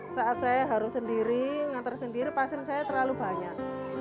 saat saya harus sendiri mengantar sendiri pasien saya terlalu banyak